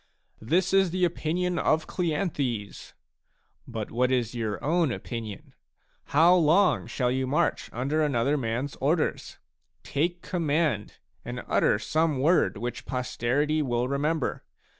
"This is the opinion of Cleanthes." But what is your own opinion ? How long shall you march under another rnans orders ? Take command, and utter some word which posterity will remember.